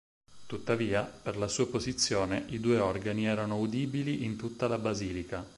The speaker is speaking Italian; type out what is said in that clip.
Tuttavia, per la sua posizione, i due organi erano udibili in tutta la basilica.